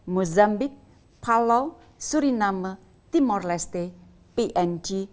mozambik palau suriname timor leste png